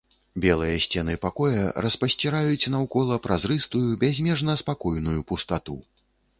Белыя сцены пакоя распасціраюць наўкола празрыстую, бязмежна спакойную пустату.